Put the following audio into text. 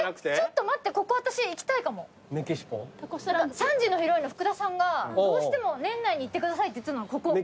３時のヒロインの福田さんがどうしても年内に行ってくださいって言ってたのはここ。